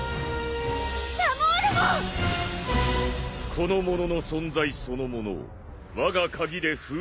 この者の存在そのものをわが鍵で封印排除した！